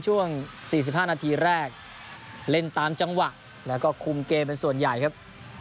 ช่วง๔๕นาทีแรกเล่นตามจังหวะแล้วก็คุมเกมเป็นส่วนใหญ่ครับ